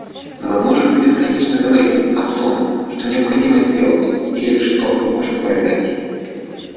Мы можем бесконечно говорить о том, «что необходимо сделать» или «что может произойти».